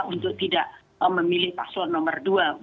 untuk tidak memilih paslon nomor dua